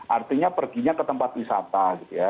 artinya perginya ke tempat wisata gitu ya